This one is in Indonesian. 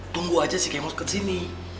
tunggu aja si kemo kesini